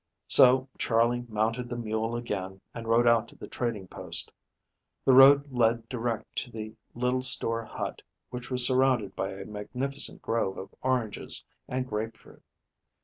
So Charley mounted the mule again, and rode out to the trading post. The road led direct to the little store hut, which was surrounded by a magnificent grove of oranges and grape fruit.